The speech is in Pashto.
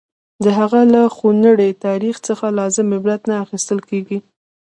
د هغه له خونړي تاریخ څخه لازم عبرت نه اخیستل کېږي.